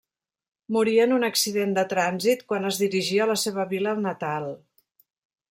Morí en un accident de trànsit quan es dirigia a la seva vila natal.